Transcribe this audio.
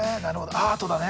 アートだね。